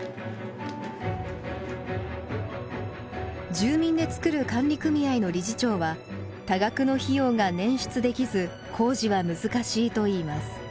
住民で作る管理組合の理事長は多額の費用が捻出できず工事は難しいと言います。